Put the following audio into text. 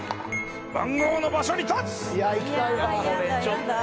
番号の場所に立つ！